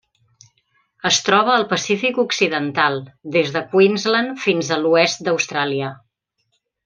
Es troba al Pacífic occidental: des de Queensland fins a l'oest d'Austràlia.